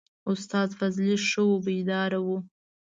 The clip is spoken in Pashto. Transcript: استاد فضلي ښه وو بیداره و.